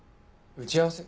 打ち合わせ？